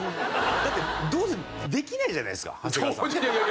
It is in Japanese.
だってどうせできないじゃないですか長谷川さん。